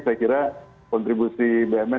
saya kira kontribusi bumn